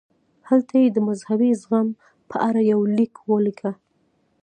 هلته یې د مذهبي زغم په اړه یو لیک ولیکه.